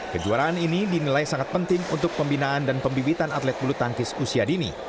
kejuaraan ini dinilai sangat penting untuk pembinaan dan pembibitan atlet bulu tangkis usia dini